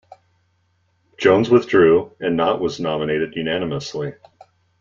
Jones withdrew, and Knott was nominated unanimously.